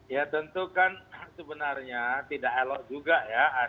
ya tentu kan sebenarnya tidak elok juga ya